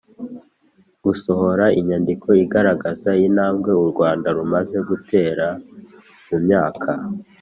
Gusohora inyandiko igaragaza intambwe u Rwanda rumaze gutera mu myaka